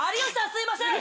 すいません！